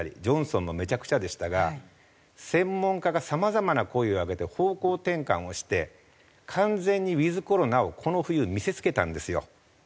ジョンソンもめちゃくちゃでしたが専門家がさまざまな声を上げて方向転換をして完全にウィズコロナをこの冬見せ付けたんですよ。